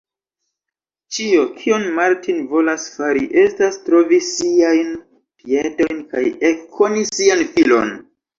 Ĉio, kion Martin volas fari, estas trovi siajn piedojn kaj ekkoni sian filon.